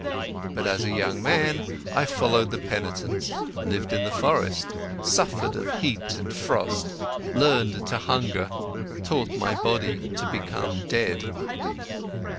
But as a young man, I followed the penitents, lived in the forest, suffered of heat and frost, learned to hunger, taught my body to become dead.